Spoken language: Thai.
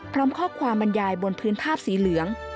พร้อมข้อความบรรยายบนพื้นภาพสีเหลือง